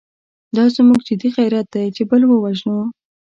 دا زموږ جدي غیرت دی چې بل ووژنو.